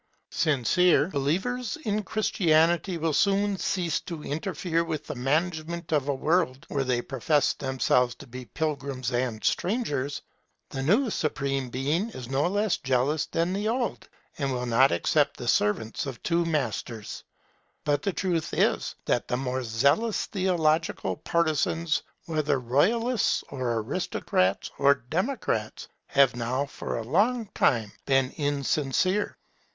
Sincere believers in Christianity will soon cease to interfere with the management of a world, where they profess themselves to be pilgrims and strangers. The new Supreme Being is no less jealous than the old, and will not accept the servants of two masters. But the truth is, that the more zealous theological partisans, whether royalists, or aristocrats, or democrats, have now for a long time been insincere.